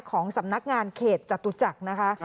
ของสำนักงานเขตจตุจักรนะคะ